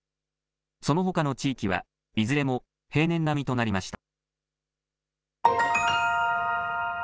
そのほかの地域はいずれも平年並みとなりました。